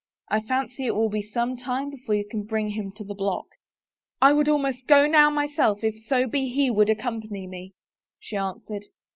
" I fancy it will be some time before you can bring him to the block." " I would almost go now myself if so be he would accompany me," she answered.